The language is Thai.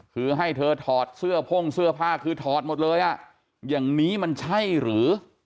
คือให้เธอถอดเสื้อพ่งเสื้อผ้าคือถอดหมดเลยอ่ะอย่างนี้มันใช่หรือ